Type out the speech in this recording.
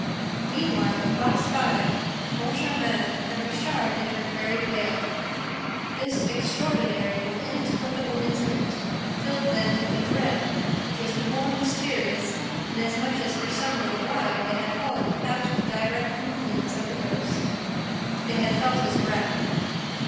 Meanwhile, in Box Five, Moncharmin and Richard had turned very pale. This extraordinary and inexplicable incident filled them with a dread which was the more mysterious inasmuch as for some little while, they had fallen within the direct influence of the ghost. They had felt his breath.